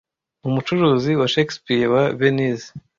Mu mucuruzi wa Shakespeare wa Venise